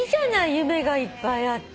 夢がいっぱいあって。